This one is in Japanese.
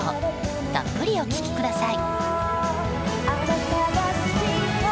たっぷりお聴きください。